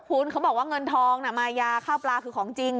คุณเขาบอกว่าเงินทองน่ะมายาข้าวปลาคือของจริง